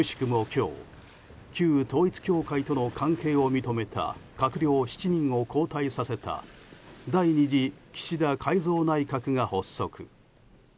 今日旧統一教会との関係を認めた閣僚７人を交代させた第２次岸田改造内閣が発足。